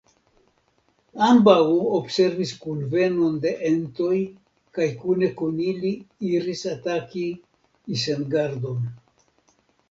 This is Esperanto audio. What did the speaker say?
Ambaŭ observis kunvenon de entoj kaj kune kun ili iris ataki Isengardon.